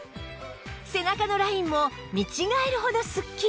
背中のラインも見違えるほどすっきり！